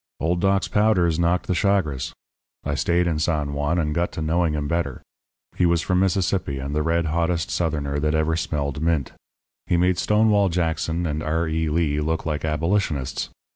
"Old Doc's powders knocked the chagres. I stayed in San Juan, and got to knowing him better. He was from Mississippi, and the red hottest Southerner that ever smelled mint. He made Stonewall Jackson and R. E. Lee look like Abolitionists.